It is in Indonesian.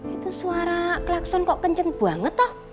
itu suara klakson kok kenceng banget toh